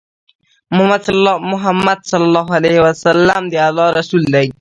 محمد صلی الله عليه وسلم د الله رسول دی